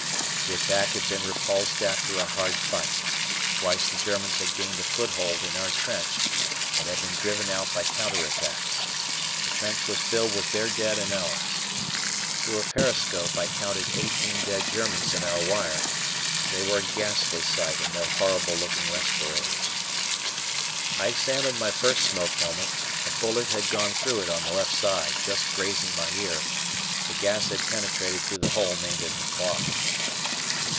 The attack had been repulsed after a hard fight. Twice the Germans had gained a foothold in our trench, but had been driven out by counter attacks. The trench was filled with their dead and ours. Through a periscope, I counted eighteen dead Germans in our wire; they were a ghastly sight in their horrible looking respirators. I examined my first smoke helmet, a bullet had gone through it on the left side, just grazing my ear, the gas had penetrated through the hole made in the cloth.